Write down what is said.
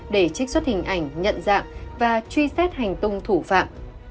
để trích xuất hình ảnh nhận dạng và truy xét hành tung thủ phạm